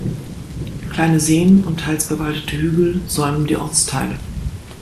Kleine Seen und teils bewaldete Hügel säumen die Ortsteile.